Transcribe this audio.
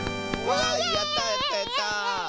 わいやったやったやった！